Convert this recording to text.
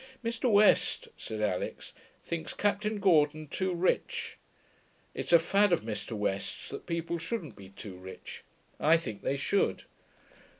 'Mr. West,' said Alix, 'thinks Captain Gordon too rich. It's a fad of Mr. West's that people shouldn't be too rich. I think they should.'